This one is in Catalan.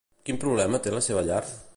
Quin problema té la seva llar?